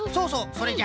それじゃ。